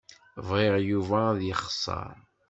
Bɣiɣ Yuba ad yexṣer.